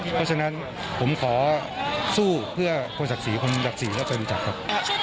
เพราะฉะนั้นผมขอสู้เพื่อคนศักดิ์ศรีคนศักดิ์ศรีและเป็นจักรครับ